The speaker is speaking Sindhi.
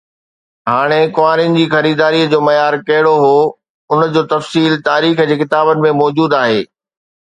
هاڻي ڪنوارين جي خريداريءَ جو معيار ڪهڙو هو، ان جو تفصيل تاريخ جي ڪتابن ۾ موجود آهي.